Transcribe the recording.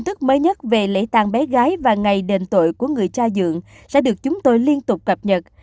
các tin tức mới nhất về lễ tàn bé gái và ngày đền tội của người tra dượng sẽ được chúng tôi liên tục cập nhật